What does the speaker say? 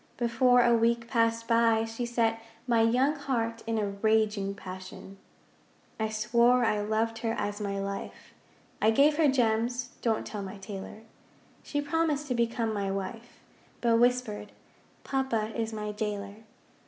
Before a week passed by she set My young heart in a raging passion. I swore I loved her as my life, I gave her gems (don't tell my tailor). She promised to become my wife, But whispered, 'Papa is my jailer.'